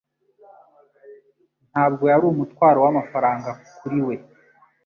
Ntabwo yari umutwaro w'amafaranga kuri we